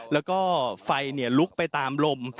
แล้วก็ไฟลุกไปตามลม